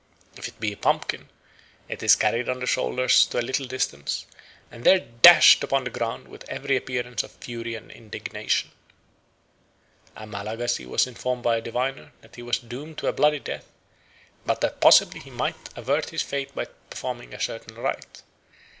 If it be a pumpkin, it is carried on the shoulders to a little distance, and there dashed upon the ground with every appearance of fury and indignation." A Malagasy was informed by a diviner that he was doomed to a bloody death, but that possibly he might avert his fate by performing a certain rite.